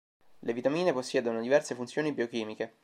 Le vitamine possiedono diverse funzioni biochimiche.